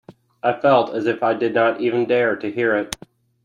I felt as if I did not even dare to hear it.